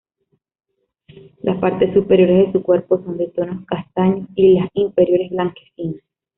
Las partes superiores de su cuerpo son de tonos castaños y las inferiores blanquecinas.